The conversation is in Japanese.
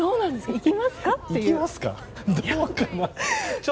行きますか？